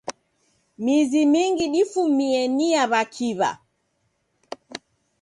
Mizi mingi difumie ni ya w'akiw'a.